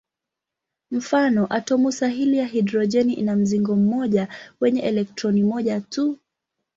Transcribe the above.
Mfano: atomu sahili ya hidrojeni ina mzingo mmoja wenye elektroni moja tu.